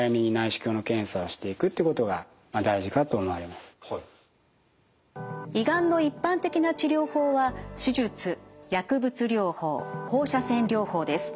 ですから胃がんの一般的な治療法は手術薬物療法放射線療法です。